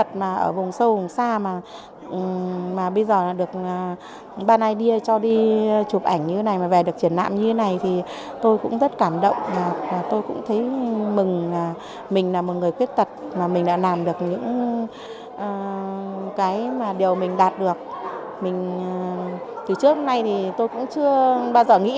cái mà điều mình đạt được từ trước hôm nay tôi cũng chưa bao giờ nghĩ